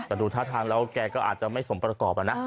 แต่ดูท่าทางแล้วแกก็อาจจะไม่สมประกอบนะ